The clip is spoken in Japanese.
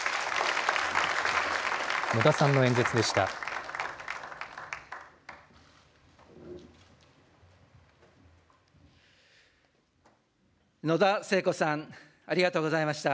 野田さんの演説でした。